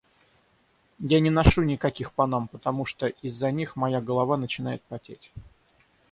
Я не ношу никаких панам, потому что из-за них моя голова начинает потеть.